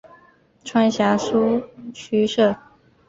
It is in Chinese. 川陕苏区设。